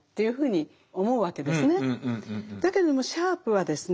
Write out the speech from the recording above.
だけどもシャープはですね